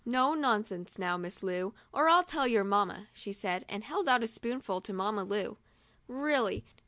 No nonsense now, Miss Lu, or I'll tell your mamma," she said, and held out a spoonful to Mamma Lu.